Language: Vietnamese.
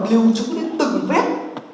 liêu chúng đến từng vết